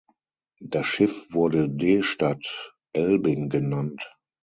Das Schiff wurde D' Stadt Elbing genannt.